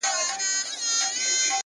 o په عزت په شرافت باندي پوهېږي؛